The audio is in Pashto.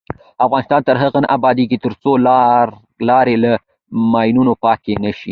افغانستان تر هغو نه ابادیږي، ترڅو لارې له ماینونو پاکې نشي.